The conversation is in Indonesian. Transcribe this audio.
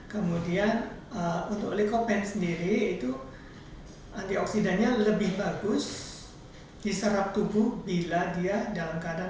kemudian untuk likopen sendiri itu antioksidannya lebih bagus diserap tubuh bila dia dalam keadaan